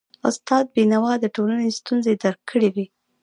استاد بينوا د ټولنې ستونزي درک کړی وي.